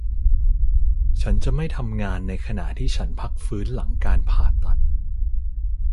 ฉันจะไม่ทำงานในขณะที่ฉันพักฟื้นหลังการผ่าตัด